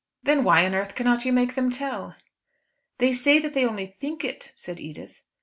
"Then why on earth cannot you make them tell?" "They say that they only think it," said Edith.